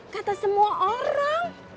kata semua orang